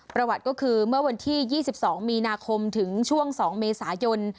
ประวัติก็คือเมื่อวันที่๒๒มีนาคมถึงช่วง๒เมษายน